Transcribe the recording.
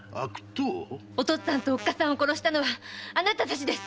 お父っつぁんとおっかさんを殺したのはあなたたちです！